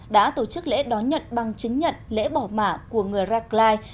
đã tổ chức lễ đón nhận bằng chứng nhận lễ bỏ mả của người rackline